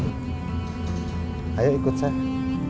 kamarnya ada di belakang